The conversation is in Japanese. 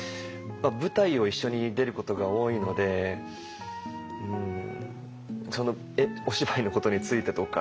舞台を一緒に出ることが多いのでそのお芝居のことについてとか。